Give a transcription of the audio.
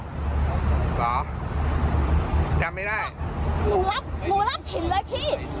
หนูรับผิดเลยพี่แล้วหลานอ่ะหนูทำหนูรับผิดเลยหนูฆ่ามัน